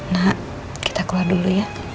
nah kita keluar dulu ya